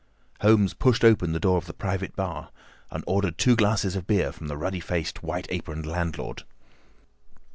Holmes pushed open the door of the private bar and ordered two glasses of beer from the ruddy faced, white aproned landlord.